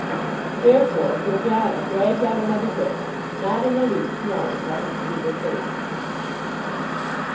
Therefore Georgiana dragged out another day, not in the least knowing what was to be her fate.